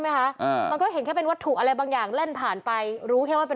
เค้าเห็นแค่เป็นวัตถุอะไรบางอย่างเล่นผ่านไปรู้แค่ว่า